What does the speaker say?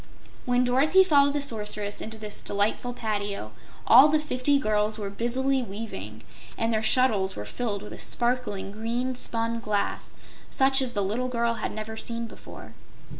When Dorothy followed the Sorceress into this delightful patio all the fifty girls were busily weaving, and their shuttles were filled with a sparkling green spun glass such as the little girl had never seen before.